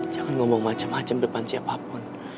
jangan ngomong macem macem depan siapapun